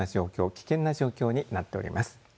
危険な状況になっております。